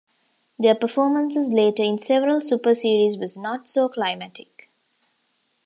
Their performances later in several Super Series was not so climatic.